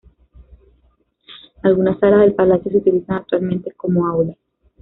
Algunas salas del palacio se utilizan actualmente como aulas.